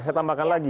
saya tambahkan lagi